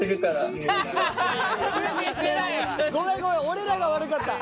俺らが悪かった。